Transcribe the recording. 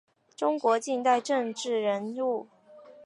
中国近代政治人物。